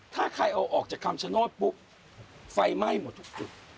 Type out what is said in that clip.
ถ้าใครเอาออกจากคำชโนธปุ๊บไฟไหม้หมดทุกจุด